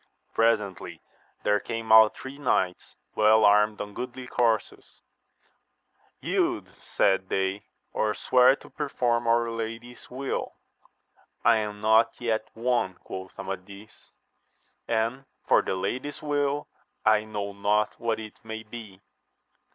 Presently there came out three knights, well armed on goodly coursers ; Yield, said they, or swear to perform our lady's wilL I am not yet won, quoth Amadis ; and for the lady's will, I know not what it may be.